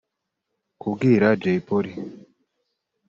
Kubwira Jay Polly